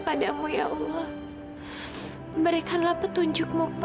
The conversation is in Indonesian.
bagaimana buka kotor segera